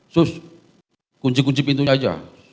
terus kunci kunci pintunya aja